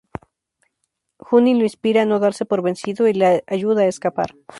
Juni lo inspira a no darse por vencido, y le ayuda a escapar.